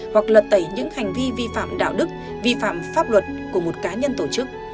hoặc lật tẩy những hành vi vi phạm đạo đức vi phạm pháp luật của một cá nhân tổ chức